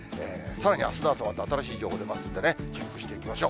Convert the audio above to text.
さらにあすの朝は、新しい情報出ますんでね、チェックしていきましょう。